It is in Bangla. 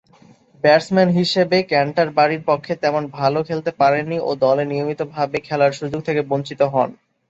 ব্যাটসম্যান হিসেবে ক্যান্টারবারির পক্ষে তেমন ভালো খেলতে পারেননি ও দলে নিয়মিতভাবে খেলার সুযোগ থেকে বঞ্চিত হন।